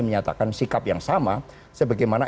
menyatakan sikap yang sama sebagaimana